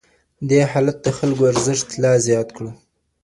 دې حالت د خلګو ارزښت لا زيات کړ.